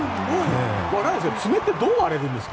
爪ってどう割れるんですか？